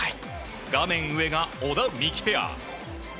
画面上が小田、三木ペア。